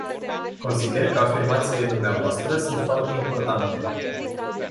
Consider că afirmațiile dvs. sunt foarte importante.